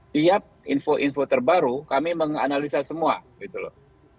tiap info info terbaru kami menganalisa semua gitu loh